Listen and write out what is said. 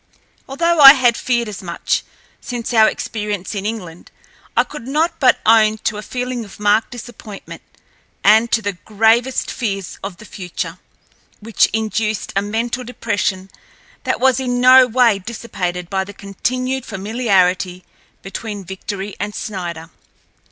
Although I had feared as much, since our experience in England, I could not but own to a feeling of marked disappointment, and to the gravest fears of the future, which induced a mental depression that was in no way dissipated by the continued familiarity between Victory and Snider.